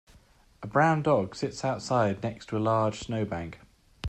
A brown dog sits outside next to a large snowbank.